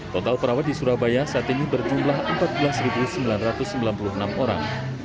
total perawat di surabaya saat ini berjumlah empat belas sembilan ratus sembilan puluh enam orang